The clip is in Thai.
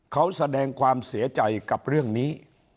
เขาแสดงความเสียใจกับเรื่องนี้